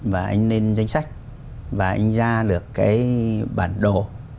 và anh lên danh sách và anh ra được cái bản đồ